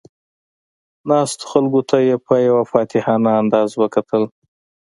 ناستو خلکو ته یې په یو فاتحانه انداز وکتل.